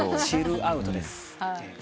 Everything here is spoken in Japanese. チルアウトです。